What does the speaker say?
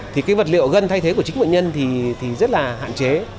thì cái vật liệu gân thay thế của chính bệnh nhân thì rất là hạn chế